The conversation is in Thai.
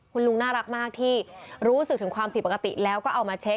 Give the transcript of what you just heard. คุณลุงน่ารักมากที่รู้สึกถึงความผิดปกติแล้วก็เอามาเช็ค